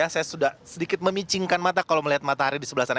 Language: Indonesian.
saya sudah sedikit memichinkan mata kalau melihat matahari di sebelah sana